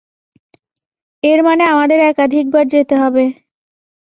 এর মানে আমাদের একাধিক বার যেতে হবে।